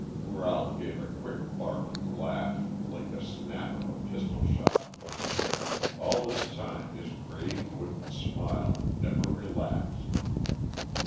Ralph gave a quick barking laugh like the snap of a pistol shot. All this time his grave, wooden smile never relaxed.